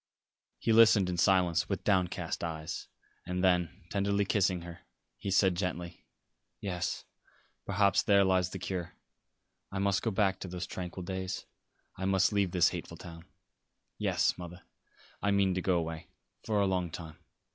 He listened in silence, with downcast eyes, and then, tenderly kissing her, he said gently: "Yes, perhaps there lies the cure. I must go back to those tranquil days. I must leave this hateful town. Yes, mother, I mean to go away for a long time.